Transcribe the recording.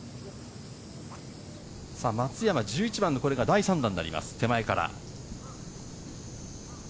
松山、１１番のこれが第３打になります。